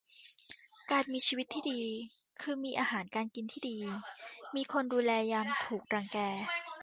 การมีชีวิตที่ดี คือมีอาหารการกินดี มีคนดูแลยามถูกรังแก